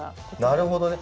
なるほどね。